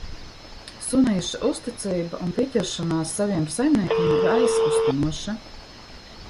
Sunīša uzticība un pieķeršanās saviem saimniekiem ir aizkustinoša.